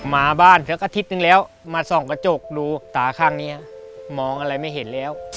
มาบ้านเธออาทิตย์นึงแล้วมาส่องกระจกดูตาข้างนี้มองอะไรไม่เห็นแล้ว